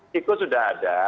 siku sudah ada